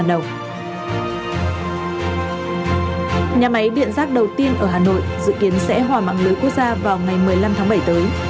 nhà máy điện rác đầu tiên ở hà nội dự kiến sẽ hòa mạng lưới quốc gia vào ngày một mươi năm tháng bảy tới